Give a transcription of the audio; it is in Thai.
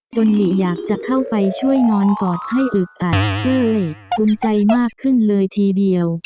หลีอยากจะเข้าไปช่วยนอนกอดให้อึกอัดเท่ภูมิใจมากขึ้นเลยทีเดียว